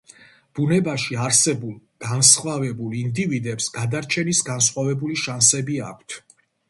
ბუნებაში არსებულ განსხვავებულ ინდივიდებს, გადარჩენის განსხვავებული შანსები აქვთ.